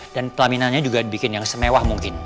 dan telaminanya juga dibikin yang semewah mungkin